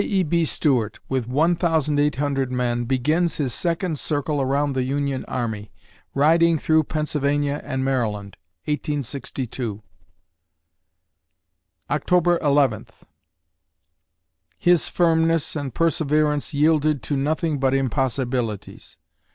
E. B. Stuart, with 1,800 men, begins his second circle around the Union Army, riding through Pennsylvania and Maryland, 1862_ October Eleventh His firmness and perseverance yielded to nothing but impossibilities.